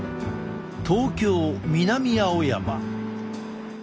東京・南青山。